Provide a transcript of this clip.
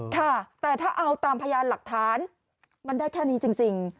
ค่ะแต่ถ้าเอาตามพยานหลักฐานมันได้แค่นี้จริง